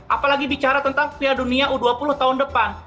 apalagi bicara tentang piala dunia u dua puluh tahun depan